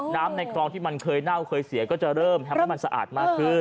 ในคลองที่มันเคยเน่าเคยเสียก็จะเริ่มทำให้มันสะอาดมากขึ้น